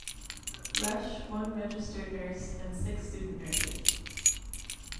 Rush, one registered nurse and six student nurses.